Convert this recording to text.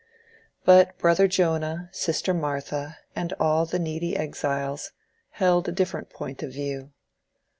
But Brother Jonah, Sister Martha, and all the needy exiles, held a different point of view.